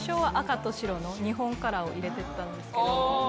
日本カラーを入れてったんですけど。